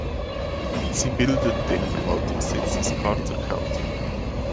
Sie bildet den Verwaltungssitz des Carter County.